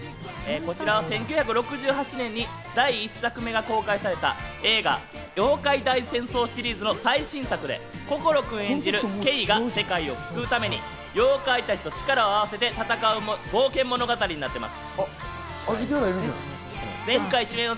こちらは１９６８年に第１作目の公開された映画『妖怪大戦争』シリーズの最新作で心くん演じるケイが世界を救うため妖怪たちと力を合わせて戦う冒険物語になってます。